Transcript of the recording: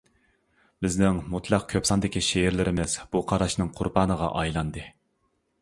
بىزنىڭ مۇتلەق كۆپ ساندىكى شېئىرلىرىمىز بۇ قاراشنىڭ قۇربانىغا ئايلاندى.